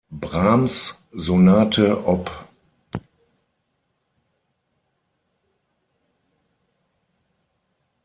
Brahms: Sonate op.